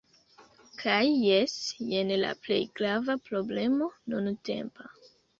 Kaj jes, jen la plej grava problemo nuntempa